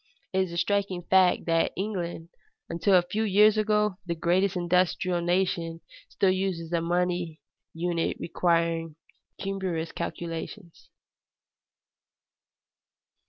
It is a striking fact that England, until a few years ago the greatest industrial nation, still uses a money unit requiring cumbrous calculations.